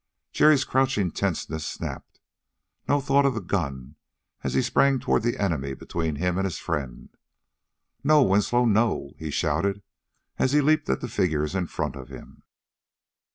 Jerry's crouching tenseness snapped. No thought of the gun as he sprang toward the enemy between him and his friend. "No, Winslow no!" he shouted as he leaped at the figures in front of him.